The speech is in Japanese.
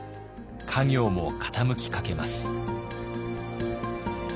家業も傾きかけます。